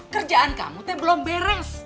kerjaan kamu tapi belum beres